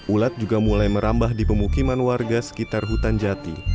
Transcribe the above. ulat juga mulai merambah di pemukiman warga sekitar hutan jati